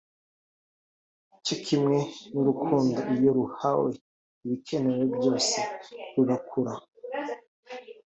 cyo kimwe n’urukundo iyo ruhawe ibikenewe byose rurakura